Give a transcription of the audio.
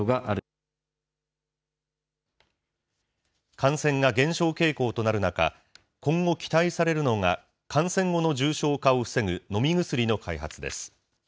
感染が減少傾向となる中、今後、期待されるのが、感染後の重症化を防ぐ飲み薬の開発です。